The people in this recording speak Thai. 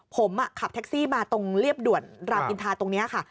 ผมขับแท็กซี่มาตรงเรียบด่วนรามอินทาตรงนี้ค่ะ